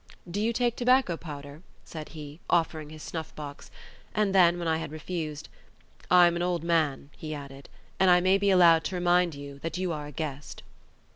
"Do you take tobacco powder?" said he, offering his snuff box; and then, when I had refused, "I am an old man," he added, "and I may be allowed to remind you that you are a guest."